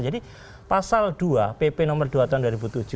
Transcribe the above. jadi pasal dua pp nomor dua tahun dua ribu tujuh